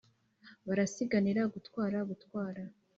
barasiganira gutwara gutwara